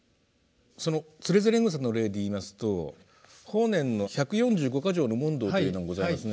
その「徒然草」の例でいいますと法然の「一百四十五箇条問答」というのがございますね。